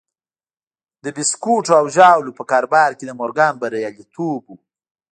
د بيسکويټو او ژاولو په کاروبار کې د مورګان برياليتوب و.